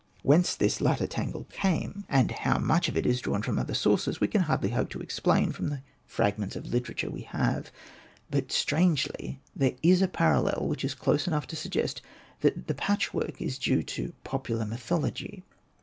Whence this later tangle came, and how Hosted by Google REMARKS 73 much of it is drawn from other sources, we can hardly hope to explain from the fragments of literature that we have. But strangely there is a parallel which is close enough to suggest that the patchwork is due to popular myth ology.